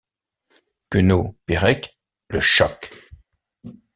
Queneau - Perec : le choc.